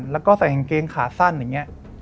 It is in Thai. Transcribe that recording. แล้วก็ใส่กางเกงขาสั้นอย่างนี้